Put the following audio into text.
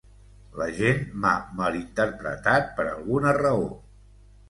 La gent m'ha malinterpretat per alguna raó.